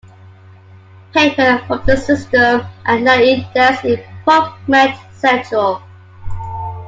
Paper from the system are now indexed in PubMed Central.